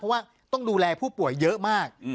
เพราะว่าต้องดูแลผู้ป่วยเยอะมาก